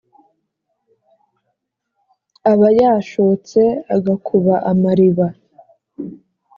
aba yashotse agakuba amariba